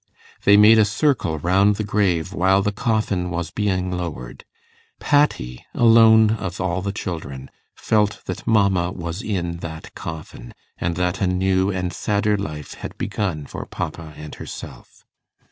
They made a circle round the grave while the coffin was being lowered. Patty alone of all the children felt that mamma was in that coffin, and that a new and sadder life had begun for papa and herself.